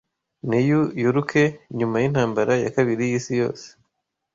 Neyu Yoruke nyuma y’Intambara ya Kabiri y'Isi Yose